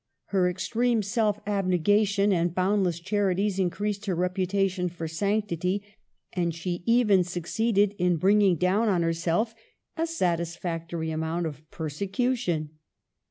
Her extreme self abne gation and boundless charities increased her rep utation for sanctity, and she even succeeded in bringing down on herself a satisfactory amount of persecution.